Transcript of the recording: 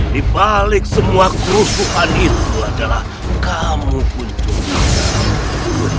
di balik semua kerusuhan itu adalah kamu kucung putih